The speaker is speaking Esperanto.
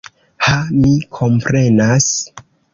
Ha, mi komprenas!